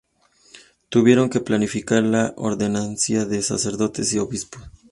Tuvieron que planificar la ordenación de sacerdotes y obispos.